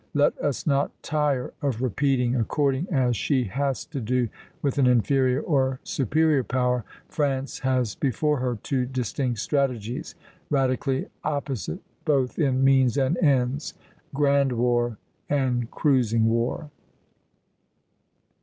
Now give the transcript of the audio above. Let us not tire of repeating, according as she has to do with an inferior or superior power, France has before her two distinct strategies, radically opposite both in means and ends, Grand War and Cruising War."